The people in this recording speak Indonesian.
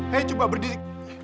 hei coba berdiri